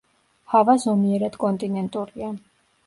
ჰავა ზომიერად კონტინენტურია.